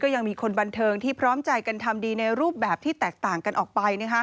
ยังมีคนบันเทิงที่พร้อมใจกันทำดีในรูปแบบที่แตกต่างกันออกไป